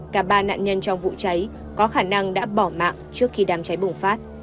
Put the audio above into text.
cả ba nạn nhân trong vụ cháy có khả năng đã bỏ mạng trước khi đám cháy bùng phát